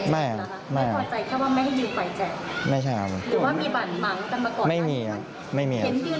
ไม่มีครับ